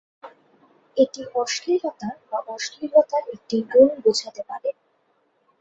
এটি অশ্লীলতা বা অশ্লীলতার একটি গুণ বোঝাতে পারে।